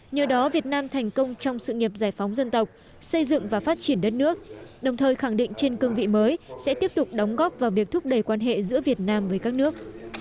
nhờ đó việt nam thành công trong sự nghiệp giải phóng dân tộc xây dựng và phát triển đất nước đồng thời khẳng định trên cương vị mới sẽ tiếp tục đóng góp vào việc thúc đẩy quan hệ giữa việt nam với các nước